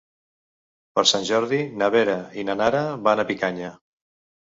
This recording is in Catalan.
Per Sant Jordi na Vera i na Nara van a Picanya.